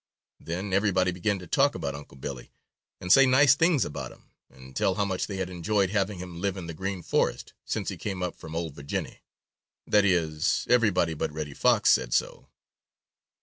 Then everybody began to talk about Unc' Billy and say nice things about him and tell how much they had enjoyed having him live in the Green Forest since he came up from "Ol' Virginny." That is, everybody but Reddy Fox said so.